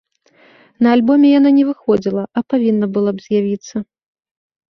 На альбоме яна не выходзіла, а павінна была б з'явіцца.